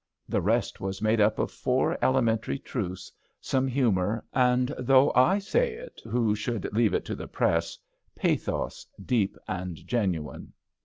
The rest was made up of four elementary truths, some humour, and, though I say it who should leave it to the press, pathos deep and genuine.